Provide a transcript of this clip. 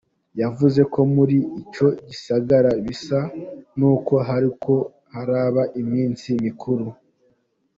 Yavuze ko muri ico gisagara bisa n'uko hariko haraba imisi mikuru.